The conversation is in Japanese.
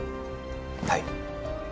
はい。